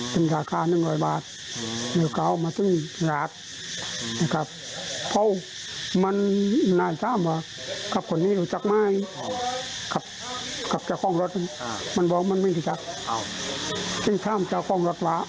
อ๋อเสพยาอาการหลอนให้หมด